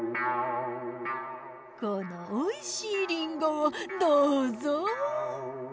このおいしいリンゴをどうぞ。